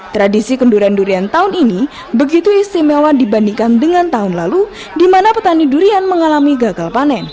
tradisi kenduran durian tahun ini begitu istimewa dibandingkan dengan tahun lalu di mana petani durian mengalami gagal panen